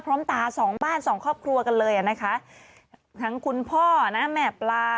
ตาสองบ้านสองครอบครัวกันเลยอ่ะนะคะทั้งคุณพ่อนะแม่ปลา